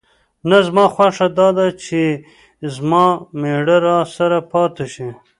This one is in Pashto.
نه، زما خوښه دا ده چې زما مېړه راسره پاتې شي.